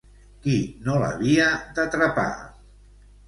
Qui no l'havia d'atrapar?